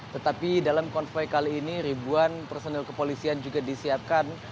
tetapi dalam konvoy kali ini ribuan personil kepolisian juga disiapkan